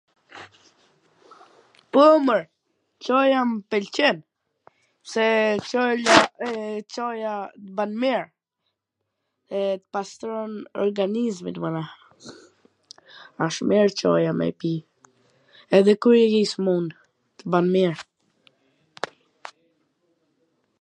Po, mor, Caja m pwlqen, se soja, e Caja, ban mir, e pastron organizmin, mana, ash mir Caja me e pi, edhe kur je i smun, ban mir.